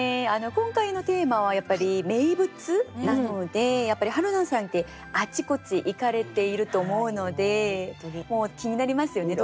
今回のテーマはやっぱり「名物」なのではるなさんってあちこち行かれていると思うのでもう気になりますよね